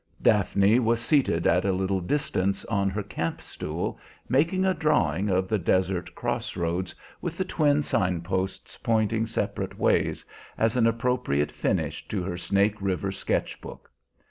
Daphne was seated at a little distance on her camp stool, making a drawing of the desert cross roads with the twin sign posts pointing separate ways, as an appropriate finish to her Snake River sketch book.